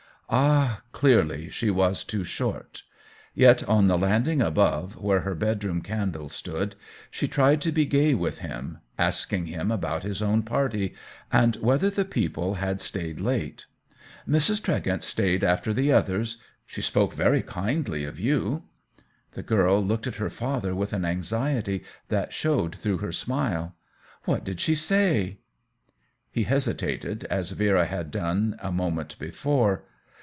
Ah, clearly she was too short ! Yet on the landing above, where her bedroom candle stood, she tried to be gay with him, asking him about his own THE WHEEL OF TIME 85 party, and whether the people had stayed late. "Mrs. Tregent stayed after the others. She spoke very kindly of you." The girl looked at her father with an anxiety that showed through her smile. " What did she say ?" He hesitated, as Vera had done a mo ment before.